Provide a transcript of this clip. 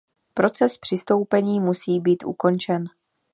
Proces přistoupení musí být ukončen.